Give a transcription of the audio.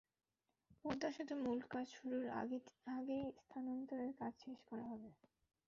পদ্মা সেতুর মূল কাজ শুরুর আগেই স্থানান্তরের কাজ শেষ করা হবে।